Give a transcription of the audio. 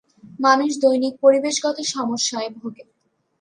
মানুষ দৈনিক পরিবেশগত সমস্যায় ভোগে।